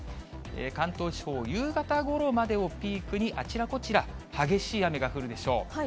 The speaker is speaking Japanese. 関東地方、夕方ごろまでをピークにあちらこちら、激しい雨が降るでしょう。